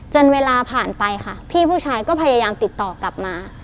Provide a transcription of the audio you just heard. เวลาผ่านไปค่ะพี่ผู้ชายก็พยายามติดต่อกลับมา